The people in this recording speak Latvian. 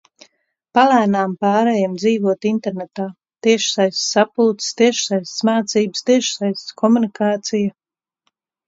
Palēnām pārejam dzīvot internetā... tiešsaistes sapulces, tiešsaistes mācības, tiešsaistes komunikācija...